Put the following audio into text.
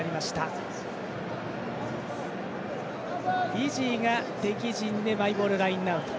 フィジーが敵陣でマイボールラインアウト。